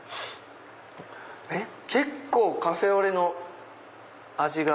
結構カフェオレの味が。